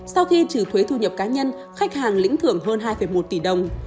sau khi trừ thuế thu nhập cá nhân khách hàng lĩnh thưởng hơn hai một tỷ đồng